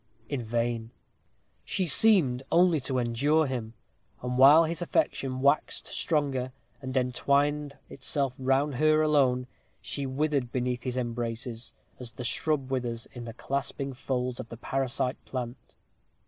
In vain. She seemed only to endure him, and while his affection waxed stronger, and entwined itself round her alone, she withered beneath his embraces as the shrub withers in the clasping folds of the parasite plant.